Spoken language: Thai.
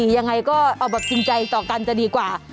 ยังไงก็เอาแบบจริงใจต่อกันจะดีกว่า